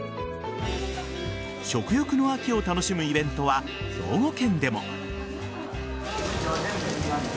食欲の秋を楽しむイベントは兵庫県でも。